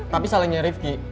tapi salahnya rifqi